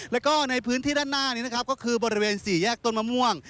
แล้วก็ในพื้นที่ด้านหน้านี้นะครับก็คือบริเวณสี่แยกต้นมะม่วง